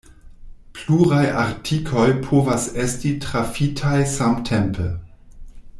Pluraj artikoj povas esti trafitaj samtempe.